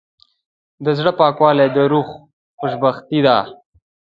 د زړه پاکوالی د روح خوشبختي ده.